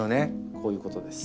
こういうことです。